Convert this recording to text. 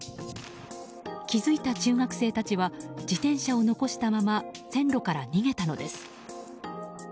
気づいた中学生たちは自転車を残したまま線路から逃げたのです。